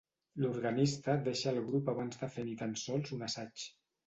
L'organista deixa el grup abans de fer ni tan sols un assaig.